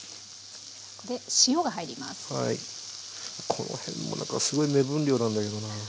この辺も何かすごい目分量なんだけどな。